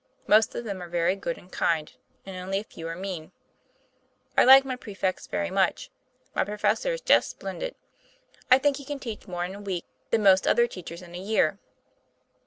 Most of them are very good and kind, and only a few are mean. I like my prefects very much my professor is just splendid. I think he can teach more in a week than most other teachers in a year.